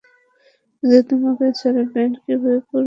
কিন্তু তোমাকে ছাড়া ব্যান্ড কিভাবে পুরা হবে?